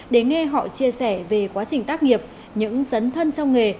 để nghe họ chia sẻ về quá trình tác nghiệp những dấn thân trong nghề